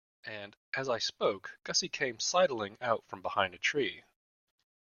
And, as I spoke, Gussie came sidling out from behind a tree.